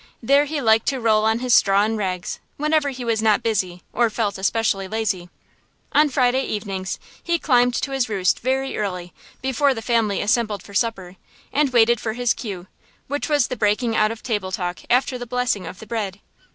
There he liked to roll on his straw and rags, whenever he was not busy, or felt especially lazy. On Friday evenings he climbed to his roost very early, before the family assembled for supper, and waited for his cue, which was the breaking out of table talk after the blessing of the bread.